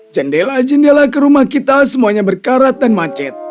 jendela jendela ke rumah kita semuanya berkarat dan macet